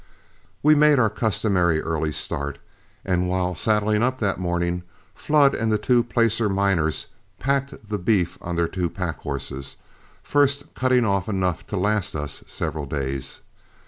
We made our customary early start, and while saddling up that morning, Flood and the two placer miners packed the beef on their two pack horses, first cutting off enough to last us several days.